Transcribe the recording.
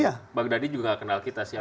al baghdadi juga nggak kenal kita siapa